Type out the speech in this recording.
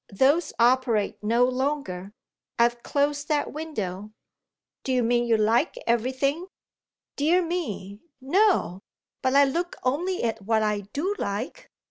"Those operate no longer. I've closed that window." "Do you mean you like everything?" "Dear me, no! But I look only at what I do like."